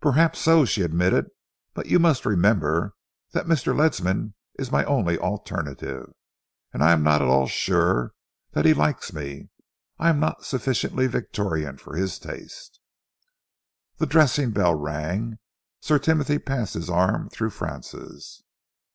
"Perhaps so," she admitted, "but you must remember that Mr. Ledsam is my only alternative, and I am not at all sure that he likes me. I am not sufficiently Victorian for his taste." The dressing bell rang. Sir Timothy passed his arm through Francis'.